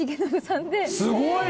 すごいね。